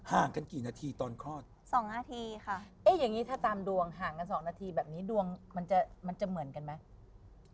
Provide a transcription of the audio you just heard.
ห่างกันกี่นาทีตอนคลอด๒นาทีค่ะเอ๊ะอย่างนี้ถ้าตามดวงห่างกันสองนาทีแบบนี้ดวงมันจะมันจะเหมือนกันไหม